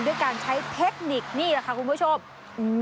ด้วยการใช้เทคนิคนี่แหละค่ะคุณผู้ชมอืม